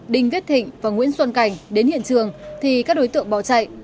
đinh viết thịnh và nguyễn xuân cảnh đến hiện trường thì các đối tượng bỏ chạy